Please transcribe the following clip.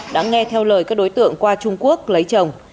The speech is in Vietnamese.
đã nghe theo lời các đối tượng qua trung quốc lấy chồng